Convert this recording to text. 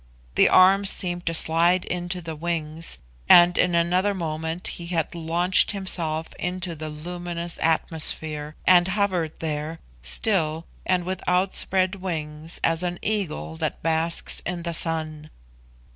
The arms seemed to slide into the wings, and in another moment he had launched himself into the luminous atmosphere, and hovered there, still, and with outspread wings, as an eagle that basks in the sun.